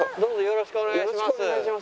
よろしくお願いします。